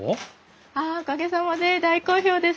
あっおかげさまで大好評です。